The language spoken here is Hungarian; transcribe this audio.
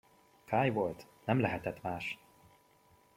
Kay volt, nem lehetett más!